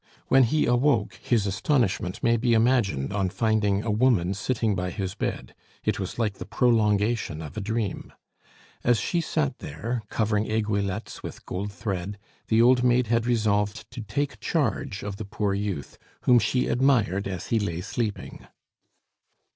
When he awoke his astonishment may be imagined on finding a woman sitting by his bed; it was like the prolongation of a dream. As she sat there, covering aiguillettes with gold thread, the old maid had resolved to take charge of the poor youth whom she admired as he lay sleeping.